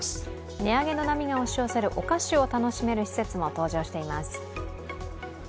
値上げの波が押し寄せるお菓子を楽しめる施設も登場しています。